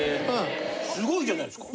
すごいじゃないですか。